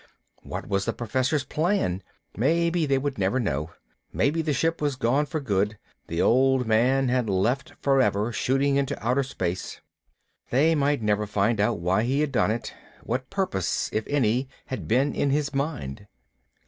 What was the Professor's plan? Maybe they would never know. Maybe the ship was gone for good; the Old Man had left forever, shooting into outer space. They might never find out why he had done it, what purpose if any had been in his mind.